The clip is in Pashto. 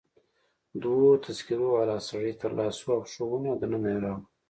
دوو تذکره والاو سړی تر لاسو او پښو ونیو او دننه يې راوړ.